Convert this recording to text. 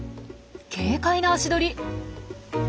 軽快な足取り。